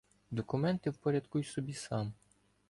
Документи впорядкуй собі сам.